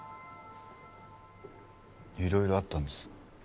いろいろあったんです。